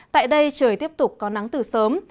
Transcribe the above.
tại đây trời tiếp tục có nắng từ sớm